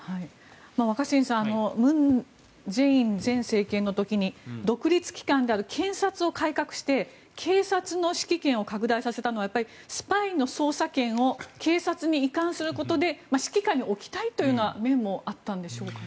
若新さん文在寅前政権の時に独立機関である検察を改革して警察の指揮権を拡大させたのはスパイの捜査権を警察に移管することで指揮下に置きたいというような面もあったんでしょうか。